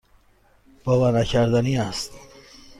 باورنکردنی است.